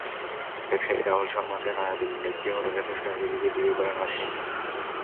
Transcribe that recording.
ব্যবসায়ী রাহুল শর্মাকে নয়াদিল্লির একটি হোটেলে খ্রিষ্টান রীতিতে বিয়ে করেন অসিন।